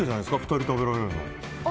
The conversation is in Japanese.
２人食べられるの。